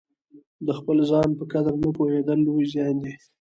د خپل ځان په قدر نه پوهېدل لوی زیان دی.